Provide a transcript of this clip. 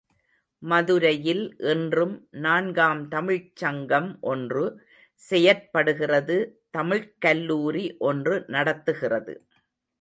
மதுரையில் இன்றும் நான்காம் தமிழ்ச் சங்கம் ஒன்று செயற்படுகிறது தமிழ்க் கல்லூரி ஒன்று நடத்துகிறது.